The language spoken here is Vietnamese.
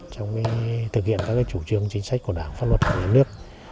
trong việc thực hiện các chủ trương chính sách của đảng pháp luật của nước